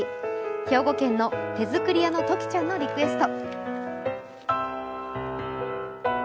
兵庫県の手作り屋のときちゃんのリクエスト。